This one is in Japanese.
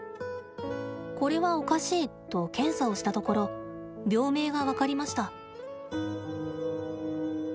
これは、おかしいと検査をしたところ病名が分かりました。